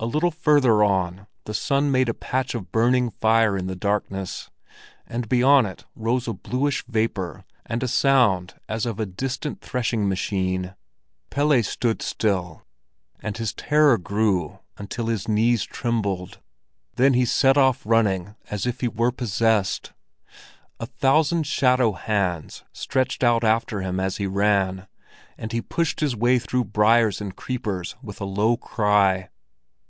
A little further on, the sun made a patch of burning fire in the darkness, and beyond it rose a bluish vapor and a sound as of a distant threshing machine. Pelle stood still, and his terror grew until his knees trembled; then he set off running as if he were possessed. A thousand shadow hands stretched out after him as he ran; and he pushed his way through briars and creepers with a low cry.